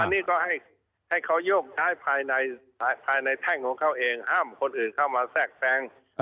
อันนี้ก็ให้เขาโยกใช้ภายในภายในแท่งของเขาเองห้ามคนอื่นเข้ามาแทรกแทรง